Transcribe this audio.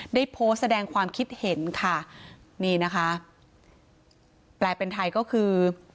ได้โพสต์แสดงความคิดเห็นค่ะนี่นะคะแปลเป็นไทยก็คือ